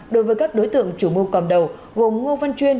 đối với các đối tượng chủ mưu cầm đầu gồm ngô văn chuyên